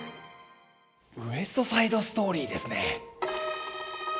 「ウエスト・サイド・ストーリー」ですね。